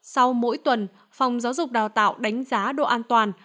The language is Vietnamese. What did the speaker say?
sau mỗi tuần phòng giáo dục đào tạo đánh giá độ an toàn